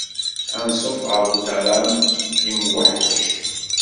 Ansuf ɣer Utaram imweḥḥec.